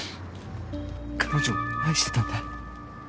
彼女を愛してたんだ。